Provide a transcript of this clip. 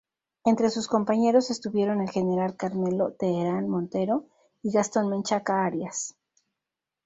Entre sus compañeros estuvieron el general Carmelo Teherán Montero y Gastón Menchaca Arias.